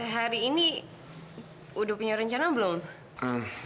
hari ini udah punya rencana belum